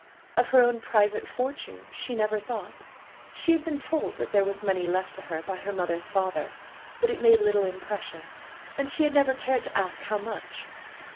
Of her own private fortune she never thought. She had been told that there was money left to her by her mother's father, but it made little impression, and she had never cared to ask how much.